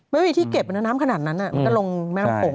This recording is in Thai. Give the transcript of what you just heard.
ไม่มีที่เก็บนะน้ำขนาดนั้นมันก็ลงแม่น้ำโขง